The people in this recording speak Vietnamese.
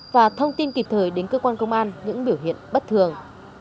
và thông tin kịp thời đến cơ quan công an những biểu hiện bất thường